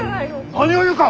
何を言うか！